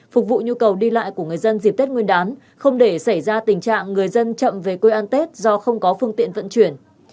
phục vụ nhu cầu đi lại của người dân dịp tết nguyên đán không để xảy ra tình trạng người dân chậm về quê an tết do không có phương tiện vận chuyển